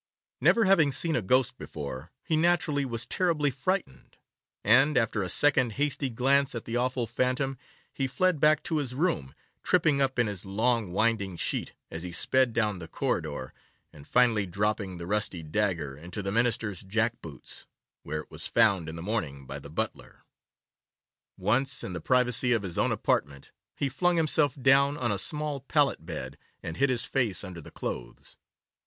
Never having seen a ghost before, he naturally was terribly frightened, and, after a second hasty glance at the awful phantom, he fled back to his room, tripping up in his long winding sheet as he sped down the corridor, and finally dropping the rusty dagger into the Minister's jack boots, where it was found in the morning by the butler. Once in the privacy of his own apartment, he flung himself down on a small pallet bed, and hid his face under the clothes.